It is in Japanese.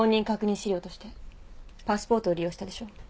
資料としてパスポートを利用したでしょ？